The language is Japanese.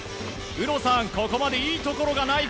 有働さん、ここまでいいところがない